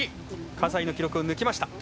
葛西の記録を抜きました。